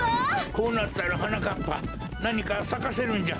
こうなったらはなかっぱなにかさかせるんじゃ。